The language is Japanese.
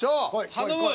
頼む！